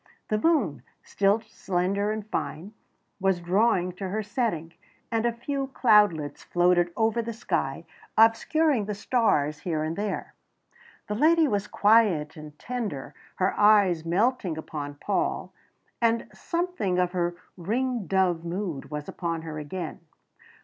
The moon, still slender and fine, was drawing to her setting, and a few cloudlets floated over the sky, obscuring the stars here and there. The lady was quiet and tender, her eyes melting upon Paul, and something of her ring dove mood was upon her again.